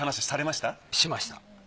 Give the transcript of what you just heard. しました。